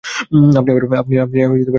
আপনি আবার ফিরে যাবেন, স্যার?